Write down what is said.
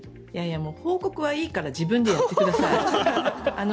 もう報告はいいから自分でやってください。